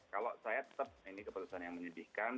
kalau saya tetap ini keputusan yang menyedihkan